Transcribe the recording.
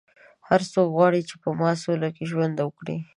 هر څوک غواړي چې په سوله کې ژوند وکړي.